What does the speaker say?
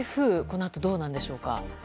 このあとどうなんでしょうか。